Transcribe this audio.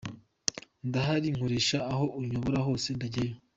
ndahari nkoresha aho unyobora hose ndajyayo.